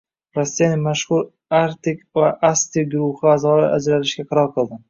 Rossiyaning mashhur Artik & Asti guruhi a’zolari ajralishga qaror qildi